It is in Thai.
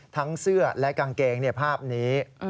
ทั้งเสื้อและกางเกงภาพนี้